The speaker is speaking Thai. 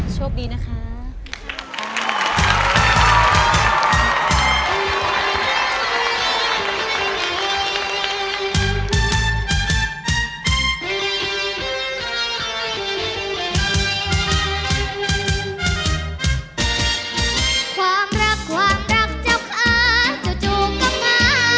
โชคดีนะคะ